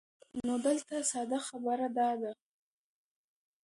نو دلته ساده خبره دا ده